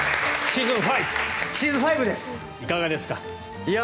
シーズン５、いかがですか？